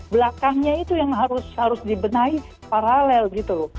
belakangnya itu yang harus dibenahi paralel gitu loh